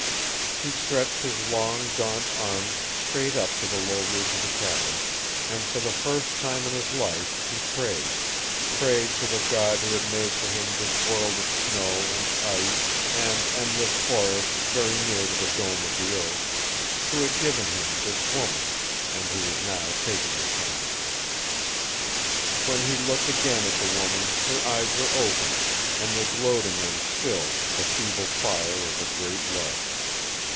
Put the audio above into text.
He stretched his long, gaunt arms straight up to the low roof of the cabin, and for the first time in his life he prayed prayed to the God who had made for him this world of snow and ice and endless forest very near to the dome of the earth, who had given him this woman, and who was now taking her from him. When he looked again at the woman, her eyes were open, and there glowed in them still the feeble fire of a great love.